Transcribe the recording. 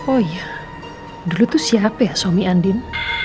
oh iya dulu tuh siapa ya suami andin